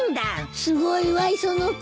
すごいわ磯野君！